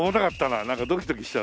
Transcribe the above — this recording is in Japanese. なんかドキドキしちゃうな。